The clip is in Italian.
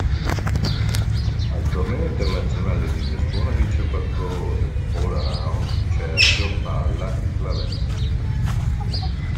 Al Torneo Internazionale di Lisbona vince quattro ori: all-around, cerchio, palla e clavette.